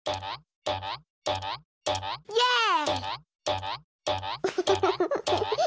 イエーイ！